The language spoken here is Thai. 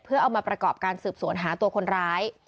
เพื่อเอามาประกอบการสืบสวนหาตัวคนร้าย